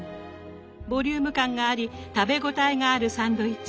ボリューム感があり食べ応えがあるサンドイッチです。